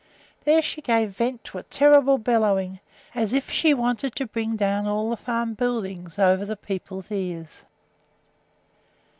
There she gave vent to a terrible bellowing, as if she wanted to bring all the farm buildings down over the people's ears.